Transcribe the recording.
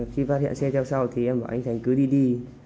khi phát hiện xe theo sau thì em bảo anh thành cứ đi đi